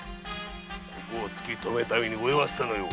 ここを突き止めるために泳がせたのよ。